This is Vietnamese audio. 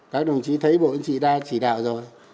các đồng chí thấy bộ chỉ đạo rồi